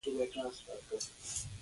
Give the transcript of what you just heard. له انګلیسیانو وغواړي دی وبخښي.